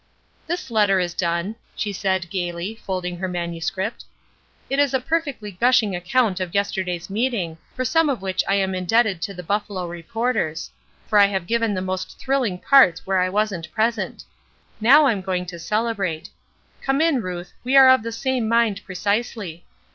"This letter is done," she said, gayly, folding her manuscript. "It is a perfectly gushing account of yesterday's meeting, for some of which I am indebted to the Buffalo reporters; for I have given the most thrilling parts where I wasn't present. Now I'm going to celebrate. Come in, Ruth, we are of the same mind precisely.